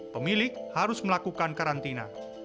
pemilik harus melakukan karantina